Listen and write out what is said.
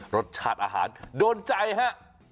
รสชาติอาหารโดนใจฮะ